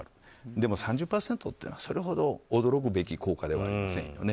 でも３０％というのはそれほど驚くべき効果ではありませんよね。